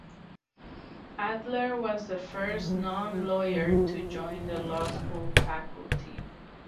Adler was the first "non-lawyer" to join the law school faculty.